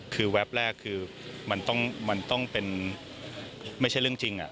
คือแวบแรกคือมันต้องเป็นไม่ใช่เรื่องจริง